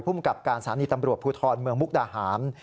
กับการสถานีตำรวจภูทรเมืองมุกดาหาร